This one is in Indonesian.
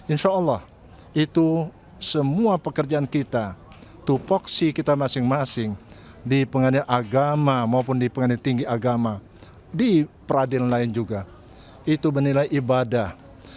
insya allah itu semua pekerjaan kita tupoksi kita masing masing di pengadilan agama maupun di pengadilan tinggi agama di peradilan lain juga itu menilai ibadah